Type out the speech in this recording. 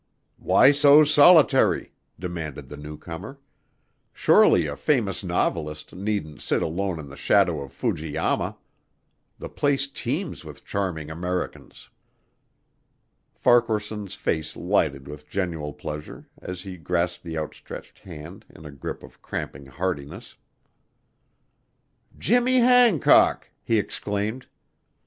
"Why so solitary?" demanded the newcomer. "Surely a famous novelist needn't sit alone in the shadow of Fuji Yama. The place teems with charming Americans." Farquaharson's face lighted with genuine pleasure as he grasped the outstretched hand in a grip of cramping heartiness. "Jimmy Hancock!" he exclaimed.